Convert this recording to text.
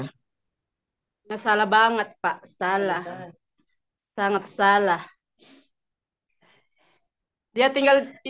tidak salah banget pak salah sangat salah